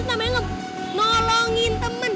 itu namanya nolongin temen